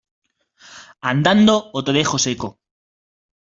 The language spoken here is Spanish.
¡ andando ó te dejo seco!